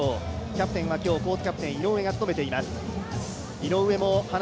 キャプテンは今日、コートキャプテン、井上が務めています。